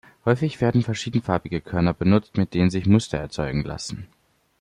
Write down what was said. Häufig werden verschiedenfarbige Körner benutzt, mit denen sich Muster erzeugen lassen.